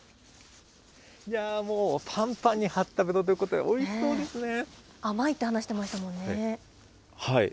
いやもう、ぱんぱんに張ったぶどうということで、おいしそう甘いって話してましたもんね。